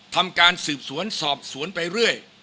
ทำการสืบสวนสอบสวนไปเรื่อย